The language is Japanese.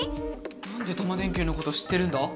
なんでタマ電Ｑのこと知ってるんだ